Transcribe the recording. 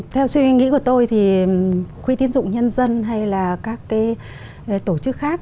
theo suy nghĩ của tôi thì quỹ tiến dụng nhân dân hay là các tổ chức khác